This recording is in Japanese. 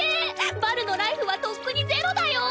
バルのライフはとっくに０だよ。